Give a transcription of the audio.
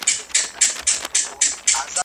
د شګو بند اوبه وړي ,